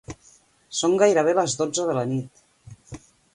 Són gairebé les dotze de la nit.